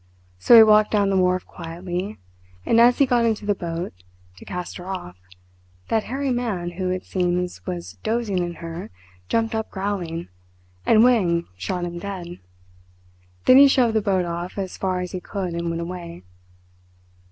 So he walked down the wharf quietly; and as he got into the boat, to cast her off, that hairy man who, it seems, was dozing in her, jumped up growling, and Wang shot him dead. Then he shoved the boat off as far as he could and went away."